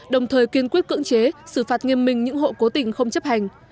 đồng thời kiên quyết cưỡng chế xử phạt nghiêm minh những hộ cố tình không chấp hành